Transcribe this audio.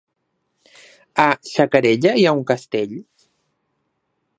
A Xacarella hi ha un castell?